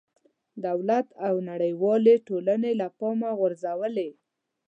دولت او نړېوالې ټولنې له پامه غورځولې.